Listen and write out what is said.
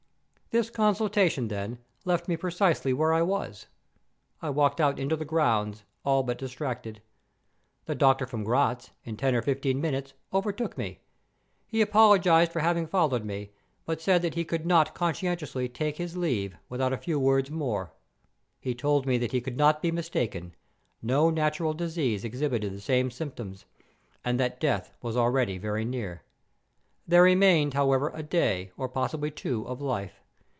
"This consultation, then, left me precisely where I was. I walked out into the grounds, all but distracted. The doctor from Gratz, in ten or fifteen minutes, overtook me. He apologized for having followed me, but said that he could not conscientiously take his leave without a few words more. He told me that he could not be mistaken; no natural disease exhibited the same symptoms; and that death was already very near. There remained, however, a day, or possibly two, of life.